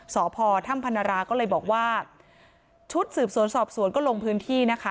สพถ้ำพนราก็เลยบอกว่าชุดสืบสวนสอบสวนก็ลงพื้นที่นะคะ